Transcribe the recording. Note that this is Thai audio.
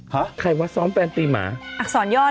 ใครวะซ้อมแฟนตีหมาอักษรย่อ